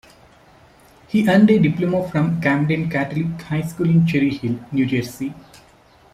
He earned a diploma from Camden Catholic High School in Cherry Hill, New Jersey.